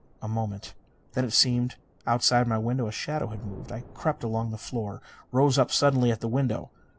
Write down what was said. A moment. Then it seemed that outside my window a shadow had moved. I crept along the floor. Rose up suddenly at the window.